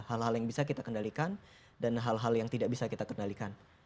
hal hal yang bisa kita kendalikan dan hal hal yang tidak bisa kita kendalikan